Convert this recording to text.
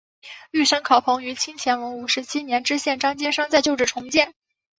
玉山考棚于清乾隆五十七年知县张兼山在旧址重建。